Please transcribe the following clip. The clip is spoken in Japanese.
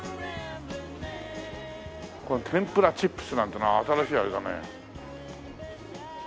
この「天ぷらチップス」なんていうのは新しいあれだね。